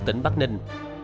tỉnh bắc ninh